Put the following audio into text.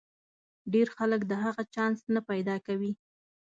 ډېر خلک د هغه چانس نه پیدا کوي.